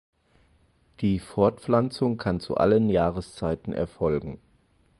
Die Fortpflanzung kann zu allen Jahreszeiten erfolgen.